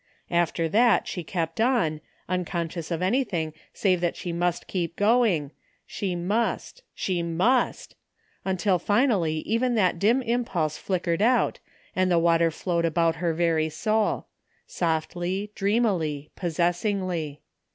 After that she kept on, unconscious of anything save that she must keep going, she must, she must — ^till finally even that dim impulse flickered out and the water flowed about her very soul ; softly, .dreamily, possessingly.